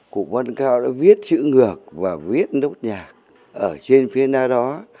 cụ văn cao đã viết chữ ngược và viết đốt nhạc ở trên phía nào đó